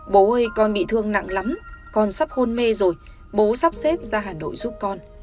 bố ơi con bị thương nặng lắm con sắp hôn mê rồi bố sắp xếp ra hà nội giúp con